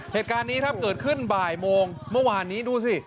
เหตุการณ์นี้ครับเกิดขึ้นบ่ายโมงเมื่อวานนี้ดูสิ